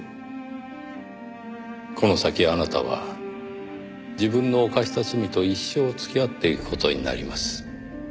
この先あなたは自分の犯した罪と一生付き合っていく事になります。